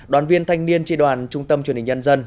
đoàn viên thanh niên tri đoàn trung tâm truyền hình nhân dân